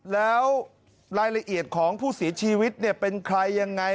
แล้วรายละเอียดของผู้เสียชีวิตเป็นใครยังไง